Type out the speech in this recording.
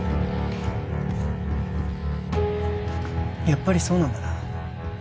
やっぱりそうなんだな？